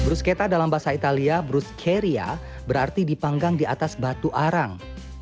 bruschetta dalam bahasa italia bruscheria berarti dipanggang di atas batu arang